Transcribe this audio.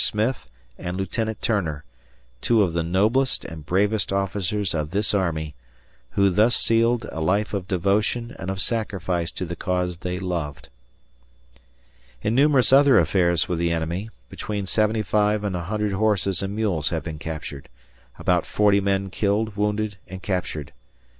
Smith and Lieutenant Turner, two of the noblest and bravest officers of this army, who thus sealed a life of devotion and of sacrifice to the cause they loved. In numerous other affairs with the enemy, between 75 and 100 horses and mules have been captured, about 40 men killed, wounded, and captured.